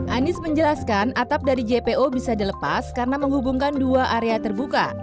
anies menjelaskan atap dari jpo bisa dilepas karena menghubungkan dua area terbuka